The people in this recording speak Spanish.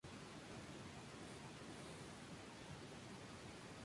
Los Guardias Reales de Infantería española atacaron e hicieron retroceder a los imperiales.